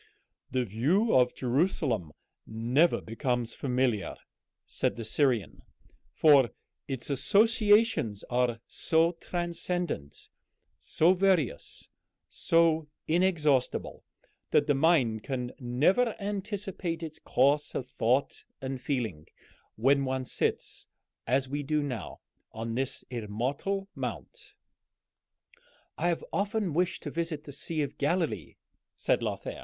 "The view of Jerusalem never becomes familiar," said the Syrian; "for its associations are so transcendent, so various, so inexhaustible, that the mind can never anticipate its course of thought and feeling, when one sits, as we do now, on this immortal mount." ... "I have often wished to visit the Sea of Galilee," said Lothair.